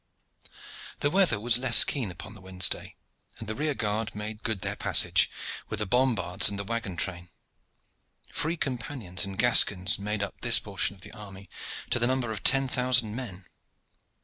The weather was less keen upon the Wednesday, and the rear guard made good their passage, with the bombards and the wagon train. Free companions and Gascons made up this portion of the army to the number of ten thousand men.